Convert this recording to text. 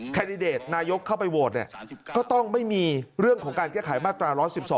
แดดิเดตนายกเข้าไปโหวตก็ต้องไม่มีเรื่องของการแก้ไขมาตรา๑๑๒